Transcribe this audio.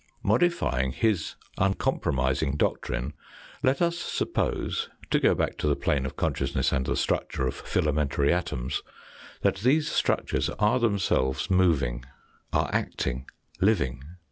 Modifying his uncom promising doctrine, let us suppose, to go back to the plane of consciousness and the structure of filamentary atoms, that these structures are themselves moving are acting, living.